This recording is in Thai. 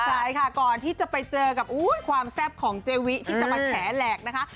ใช่ค่ะก่อนที่จะไปเจอกับความแซ่บของเจวิที่จะมาแฉแหลกนะคะ